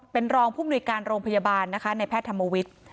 เป็นรองผู้มนุยการโรงพยาบาลนะคะในแพทย์ธรรมวิทย์